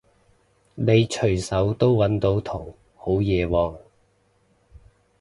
你隨手都搵到圖好嘢喎